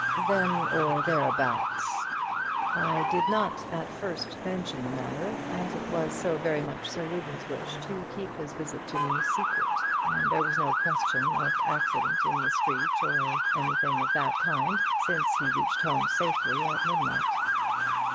"Then or thereabouts. I did not at first mention the matter as it was so very much Sir Reuben's wish to keep his visit to me secret, and there was no question of accident in the street or anything of that kind, since he reached home safely at midnight."